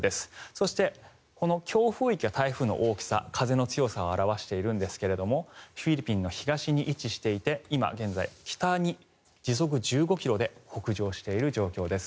そして、この強風域が台風の大きさ風の強さを表しているんですがフィリピンの東に位置していて今現在、北に時速１５ｋｍで北上している状況です。